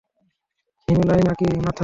ঘিলু নাই না-কি মাথায়?